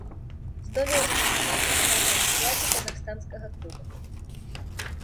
Здолеў замацавацца ў стартавым складзе казахстанскага клуба.